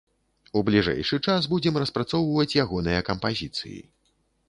У бліжэйшы час будзем распрацоўваць ягоныя кампазіцыі.